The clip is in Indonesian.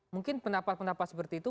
mungkin pendapat pendapat seperti itu